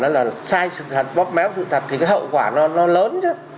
nói là sai sự thật bóp méo sự thật thì cái hậu quả nó lớn chứ